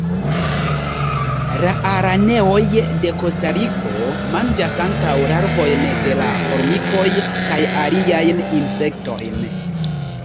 La araneoj de Kostariko manĝas ankaŭ larvojn de la formikoj, kaj aliajn insektojn.